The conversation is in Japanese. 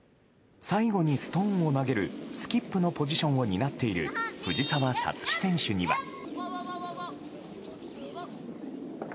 最後にストーンを投げるスキップのポジションを担っている藤澤五月選手には。